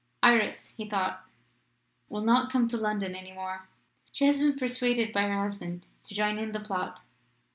"Iris," he thought, "will not come to London any more. She has been persuaded by her husband to join in the plot.